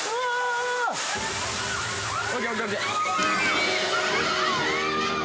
ＯＫＯＫＯＫ